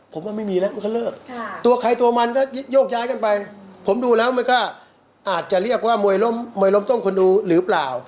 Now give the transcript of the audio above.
ผมย้ายกันไปผมดูแล้วมันก็อาจจะเรียกว่ามวยล้มต้มคนดูหรือเปล่า